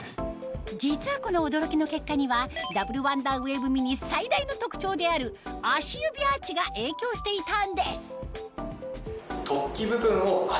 実はこの驚きの結果にはダブルワンダーウェーブミニ最大の特徴である足指アーチが影響していたんです